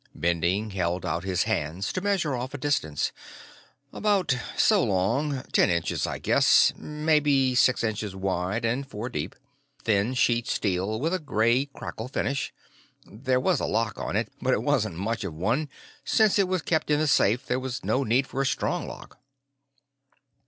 Bending held out his hands to measure off a distance. "About so long ten inches, I guess; maybe six inches wide and four deep. Thin sheet steel, with a gray crackle finish. There was a lock on it, but it wasn't much of one; since it was kept in the safe, there was no need for a strong lock."